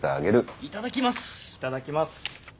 いただきます。